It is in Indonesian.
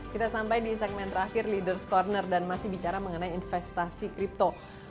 kita sampai di segmen terakhir leaders' corner dan masih bicara mengenai investasi crypto